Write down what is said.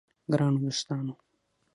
ګرانو دوستانو!